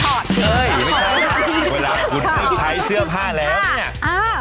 ไม่ใช่เวลาคุณไม่ใช้เสื้อผ้าแล้วเนี่ยอ่า